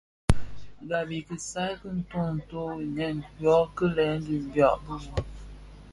Gab i kisaï ki nton nto inèn yo kilèn di biag bi bum.